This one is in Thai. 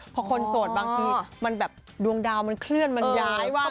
พอคนโสดบางทีมันแบบดวงดาวมันเคลื่อนมันย้ายว่า